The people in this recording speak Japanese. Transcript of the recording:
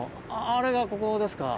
あれがここですか？